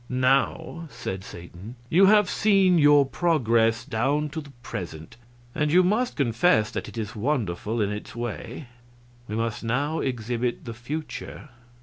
"Now," said Satan, "you have seen your progress down to the present, and you must confess that it is wonderful in its way. We must now exhibit the future."